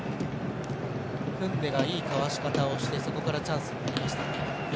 クンデがいいかわし方をしてそこからチャンスになりました。